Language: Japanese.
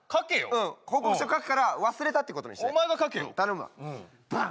うん報告書書くから忘れたってことにしてお前が書けようん頼むわバン！